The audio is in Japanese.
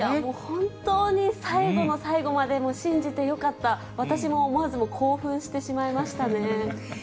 本当に最後の最後まで信じてよかった、私も思わず興奮してしまいましたね。